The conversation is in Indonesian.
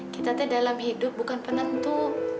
kita teh dalam hidup bukan penantu